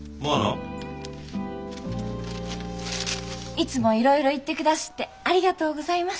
いつもいろいろ言ってくだすってありがとうございます！